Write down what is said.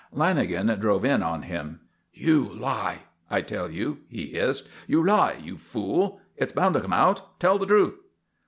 Lanagan drove in on him. "You lie, I tell you," he hissed. "You lie! You fool! It's bound to come out! Tell the truth!"